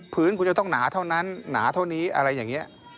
พื้นคุณจะต้องหนาเท่านั้นหนาเท่านี้อะไรอย่างนี้